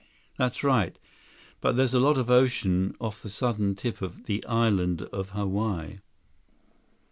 "That's right. But there's a lot of ocean off the southern tip of the Island of Hawaii."